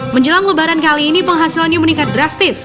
menjelang lebaran kali ini penghasilannya meningkat drastis